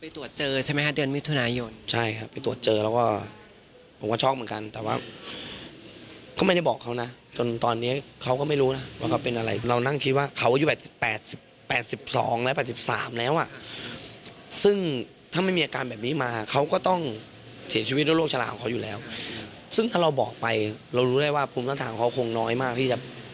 ที่จะรับรู้เรื่องนี้